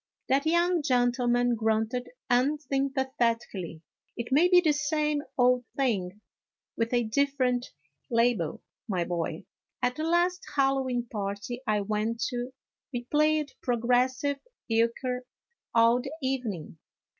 That young gentleman grunted unsympathetically. " It may be the same old thing with a different label, my boy ; at the last Hallowe'en party I went to, we played progressive euchre all the evening.